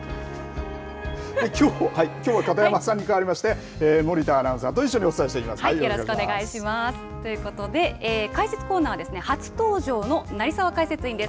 きょうは片山さんに代わりまして森田アナウンサーと一緒にということで解説コーナーは初登場の成澤解説委員です。